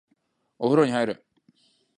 お風呂に入る